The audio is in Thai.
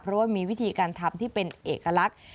เพราะว่ามีวิธีการทำที่เป็นเอกลักษณ์